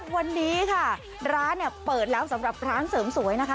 วันนี้ค่ะร้านเนี่ยเปิดแล้วสำหรับร้านเสริมสวยนะคะ